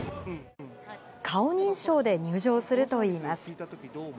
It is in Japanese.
顔認証で入場するといいます。